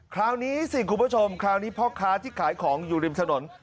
คราวนี้สิคุณผู้ชมคราวนี้พ่อค้าที่ขายของอยู่ริมถนน